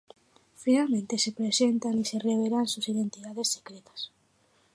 Finalmente se presentan y se revelan sus identidades secretas.